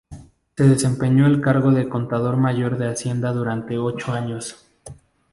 Desempeñó el cargo de "Contador Mayor de Hacienda" durante ocho años.